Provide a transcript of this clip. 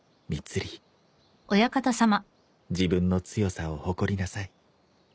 自分の強さを誇りなさい。